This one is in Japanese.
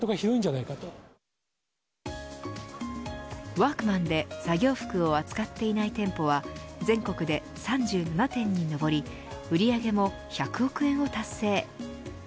ワークマンで作業服を扱っていない店舗は全国で３７店に上り売上も１００億円を達成。